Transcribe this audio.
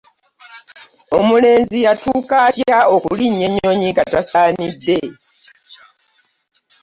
Omulenzi yatuuka atya okulinnya ennyonyi nga tasaanidde?